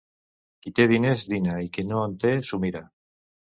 Qui té diners dina i qui no en té s'ho mira.